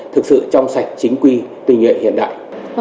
thực sự trong sạch chính quy tình nguyện hiện đại